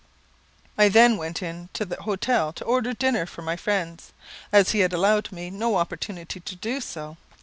I then went into the hotel to order dinner for my friends, as he had allowed me no opportunity to do so.